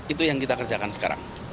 itu yang kita kerjakan sekarang